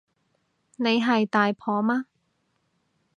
你係大婆嘛